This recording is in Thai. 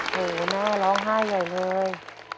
โหแม่ร้องไห้ใหญ่เลย